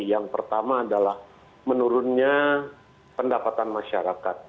yang pertama adalah menurunnya pendapatan masyarakat